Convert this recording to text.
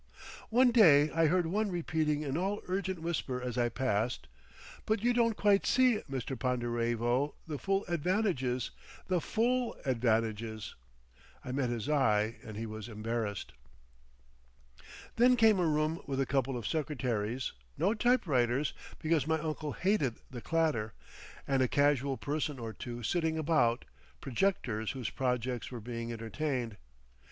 One day I heard one repeating in all urgent whisper as I passed "But you don't quite see, Mr. Ponderevo, the full advantages, the full advantages—" I met his eye and he was embarrassed. Then came a room with a couple of secretaries—no typewriters, because my uncle hated the clatter—and a casual person or two sitting about, projectors whose projects were being entertained.